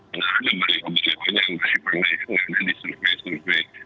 tidak ada balik ke bersihawai tidak ada di sunni sunni